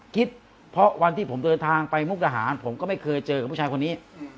คิดเพราะวันที่ผมเดินทางไปมุกดาหารผมก็ไม่เคยเจอกับผู้ชายคนนี้